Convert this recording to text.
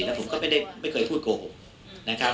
แล้วผมก็ไม่เคยพูดโกหกนะครับ